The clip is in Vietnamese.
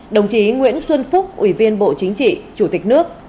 đồng chí nguyễn xuân phúc ủy viên bộ chính trị chủ tịch nước